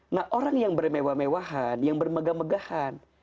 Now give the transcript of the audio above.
nah orang yang bermewah mewahan yang bermegah megahan